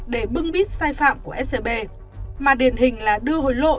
để bưng bít sai phạm của scb mà điển hình là đưa hối lộ